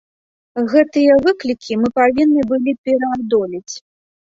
Гэтыя выклікі мы павінны былі пераадолець.